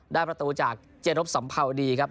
ได้ประตูจากเจรบสัมภาวดีครับ